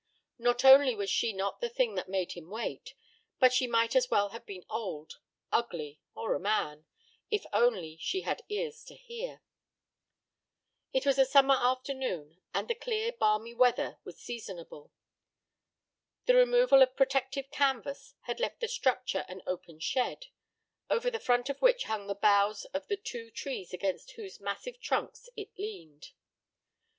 Not only was she not the thing that made him wait, but she might as well have been old, ugly, or a man, if only she had ears to hear. It was a summer afternoon, and the clear, balmy weather was seasonable. The removal of protective canvas had left the structure an open shed, over the front of which hung the boughs of the two trees against whose massive trunks it leaned.